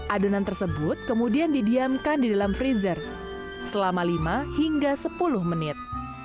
adonan tersebut kemudian didiamkan di dalam freezer selama lima hingga sepuluh menit